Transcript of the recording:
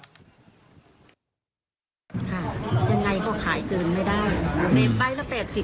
ยังไงก็ขายเกินไม่ได้